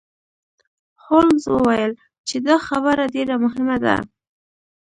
هولمز وویل چې دا خبره ډیره مهمه ده.